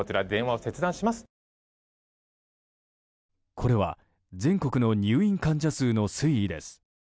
これは全国の入院患者数の推移です。